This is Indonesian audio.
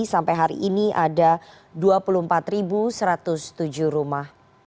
sampai hari ini ada dua puluh empat satu ratus tujuh rumah